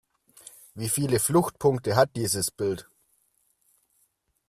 Wie viele Fluchtpunkte hat dieses Bild?